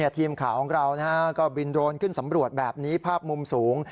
ทีมข่าวของเราก็บินโดรนขึ้นสำรวจแบบนี้ภาพมุมสูง